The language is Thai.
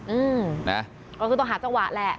อื้มมเราต้องหาเจ้าหวะและ